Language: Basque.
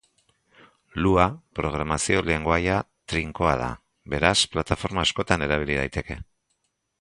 Lua programazio lengoaia trinkoa da, beraz plataforma askotan erabil daiteke.